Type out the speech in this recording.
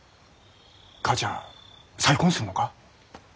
母ちゃん再婚するのか？